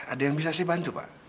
ada yang bisa saya bantu pak